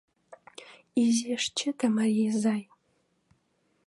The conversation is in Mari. «Изиш чыте, Мари изай